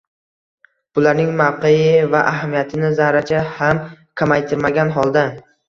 Bularning mavqei va ahamiyatini zarracha ham kamaytirmagan holda